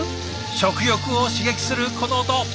食欲を刺激するこの音！